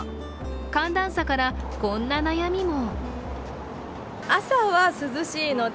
寒暖差から、こんな悩みも。